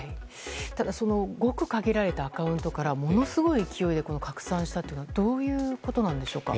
ただごく限られたアカウントからものすごい勢いで拡散したというのはどういうことなんでしょうか。